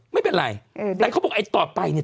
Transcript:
ไม่เป็นไรแต่เขาบอกไอ้ต่อไปเนี่ย